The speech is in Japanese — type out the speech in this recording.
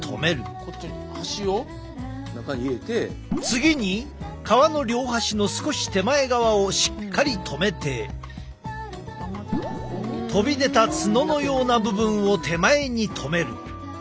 次に皮の両端の少し手前側をしっかりとめて飛び出た角のような部分を手前にとめる。